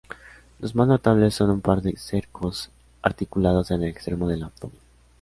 Los más notables son un par de cercos articulados en el extremo del abdomen.